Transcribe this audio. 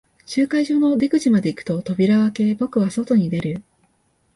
集会所の出口まで行くと、扉を開け、僕は外に出る。